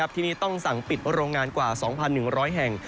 ที่นี่ต้องสั่งปิดโรงงานกว่า๒๑๐๐แห่ง